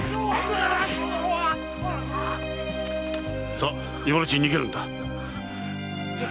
さあ今のうちに逃げるんだ。